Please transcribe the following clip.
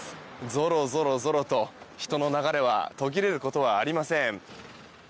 ぞろぞろぞろと人の流れは途切れることはありません。